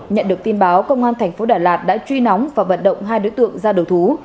nhận được tin báo công an thành phố đà lạt đã truy nóng và vận động hai đối tượng ra đầu thú